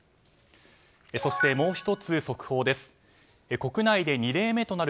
そしてもう１つ速報です。